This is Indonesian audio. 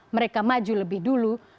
mereka maju lebih dulu